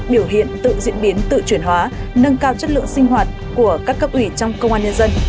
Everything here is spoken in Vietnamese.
biểu hiện tự diễn biến tự chuyển hóa nâng cao chất lượng sinh hoạt của các cấp ủy trong công an nhân dân